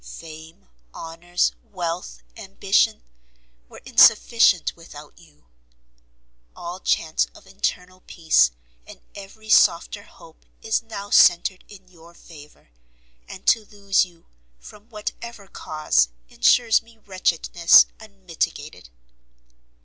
Fame, honours, wealth, ambition, were insufficient without you; all chance of internal peace, and every softer hope is now centered in your favour, and to lose you, from whatever cause, ensures me wretchedness unmitigated.